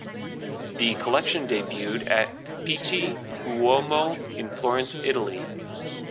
The collection debuted at Pitti Uomo in Florence, Italy.